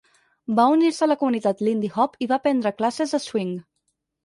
Va unir-se a la comunitat lindy-hop i va prendre classes de swing.